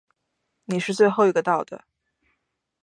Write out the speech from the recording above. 你是最后一个到的。